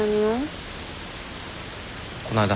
こないだ